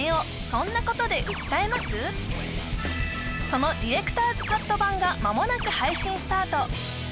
そのディレクターズカット版がまもなく配信スタート